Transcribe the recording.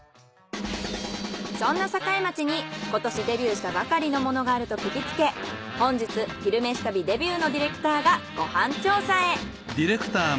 そんな栄町に今年デビューしたばかりのものがあると聞きつけ本日「昼めし旅」デビューのディレクターがご飯調査へ。